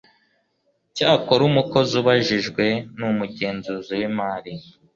Cyakora umukozi ubajijwe n umugenzuzi w imari